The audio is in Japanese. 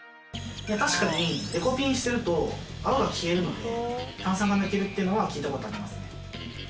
確かにデコピンしてると泡が消えるので炭酸が抜けるっていうのは聞いた事ありますね。